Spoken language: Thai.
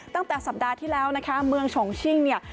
ตั้งแต่สัปดาห์ที่แล้วนะคะเมืองฉงชิ่งเนี่ย